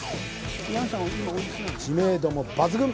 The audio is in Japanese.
知名度も抜群